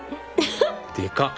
でかっ。